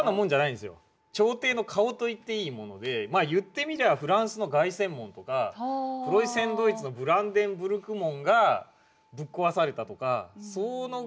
朝廷の顔と言っていいものでまあ言ってみりゃあフランスの凱旋門とかプロイセン・ドイツのブランデンブルク門がぶっ壊されたとかそのぐらいな話な訳ですよ。